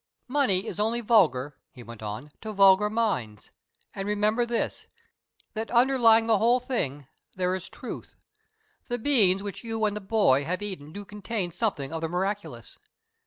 "Money is only vulgar," he went on, "to vulgar minds. And remember this that underlying the whole thing there is Truth. The beans which you and the boy have eaten do contain something of the miraculous.